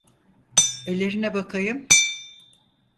Ellerine bakayım.